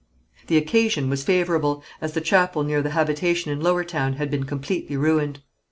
The occasion was favourable, as the chapel near the habitation in Lower Town had been completely ruined.